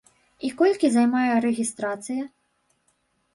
І колькі займае рэгістрацыя?